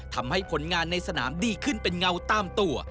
ผลงานในสนามดีขึ้นเป็นเงาตามตัว